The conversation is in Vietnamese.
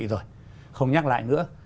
rồi không nhắc lại nữa